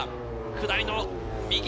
下りの右。